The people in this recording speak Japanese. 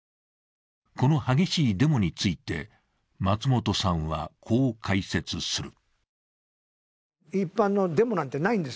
この激しいデモについて、松本さんはこう解説する。